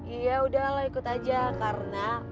ya udah lah ikut aja karena